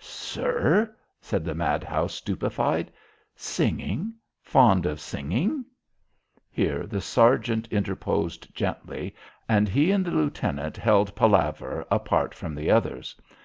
"Sir?" said the madhouse stupefied. "Singing fond of singing?" Here the sergeant interposed gently, and he and the lieutenant held palaver apart from the others.